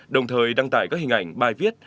đồng thời đăng tải các hình ảnh bài viết